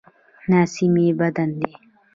ناسمي بد دی.